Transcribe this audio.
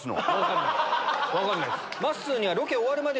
分かんないです。